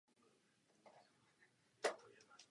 Ale nebezpečí se každým tahem stále zvyšuje.